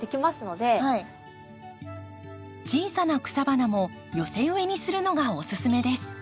小さな草花も寄せ植えにするのがおすすめです。